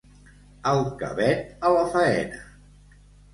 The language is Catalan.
El cabet a la faena.